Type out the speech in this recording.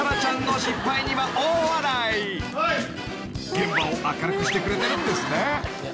［現場を明るくしてくれてるんですね］